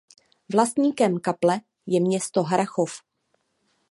Vlastníkem kaple je město Harrachov.